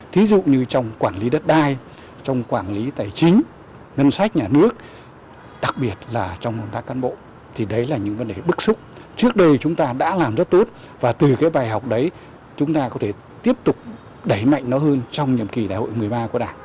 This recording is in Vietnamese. thí dụ như trong quản lý đất đai trong quản lý tài chính ngân sách nhà nước đặc biệt là trong công tác cán bộ thì đấy là những vấn đề bức xúc trước đời chúng ta đã làm rất tốt và từ cái bài học đấy chúng ta có thể tiếp tục đẩy mạnh nó hơn trong nhiệm kỳ đại hội một mươi ba của đảng